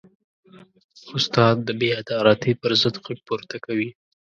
استاد د بېعدالتۍ پر ضد غږ پورته کوي.